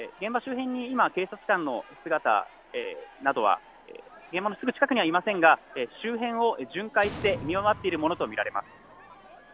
現場周辺に今、警察官の姿などは現場のすぐ近くにはいませんが周辺を巡回して見回っているものと見られます。